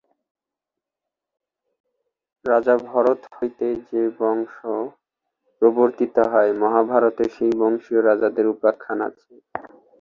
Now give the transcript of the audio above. রাজা ভরত হইতে যে বংশ প্রবর্তিত হয়, মহাভারতে সেই বংশীয় রাজাদের উপাখ্যান আছে।